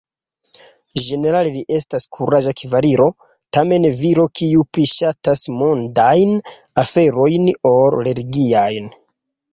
Ĝenerale li estas kuraĝa kavaliro, tamen viro kiu pli ŝatas mondajn aferojn ol religiajn.